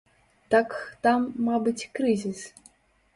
Так, там, мабыць, крызіс.